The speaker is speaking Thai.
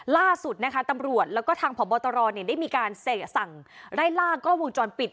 ล่าสุดนะคะตำรวจแล้วก็ทางพบตรได้มีการสั่งไล่ล่ากล้องวงจรปิด